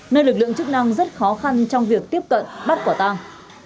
nơi lực lượng chức năng rất khó khăn trong việc tiếp cận bắt quả tang